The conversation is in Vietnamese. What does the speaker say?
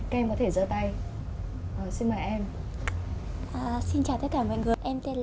các em có thể giơ tay